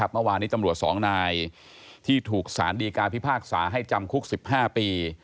เมื่อวานนี้ตำรวจ๒นายที่ถูกสารดีการพิพากษาให้จำคุก๑๕ปี